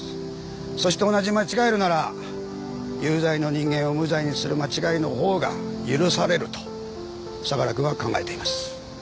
そして同じ間違えるなら有罪の人間を無罪にする間違いのほうが許されると相良くんは考えています。